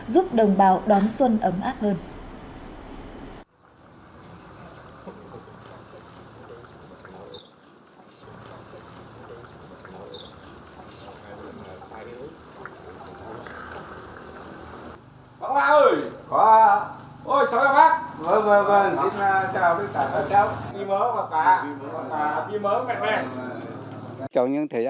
giúp đồng bào đón xuân ấm áp hơn